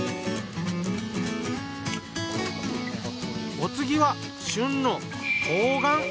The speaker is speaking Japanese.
お次は旬の冬瓜。